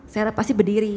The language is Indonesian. saya pasti berdiri